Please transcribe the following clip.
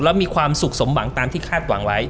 แล้วมีความสุขสมหวังตามที่คาดหวังไว้